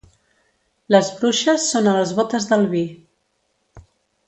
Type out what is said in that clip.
Les bruixes són a les botes del vi.